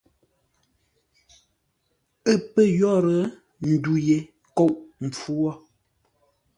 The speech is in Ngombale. Ə́ pə̂ yórə́, ndu ye kôʼ mpfu wo.